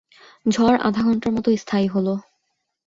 ঝড় আধা ঘণ্টার মতো স্থায়ী হলো।